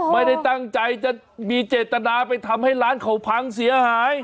ไม่ได้ตั้งใจจะมีเจตนาไปทำให้ร้านเขาพังเสียหาย